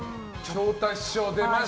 昇太師匠、出ました。